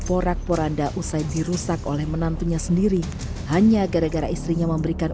porak poranda usai dirusak oleh menantunya sendiri hanya gara gara istrinya memberikan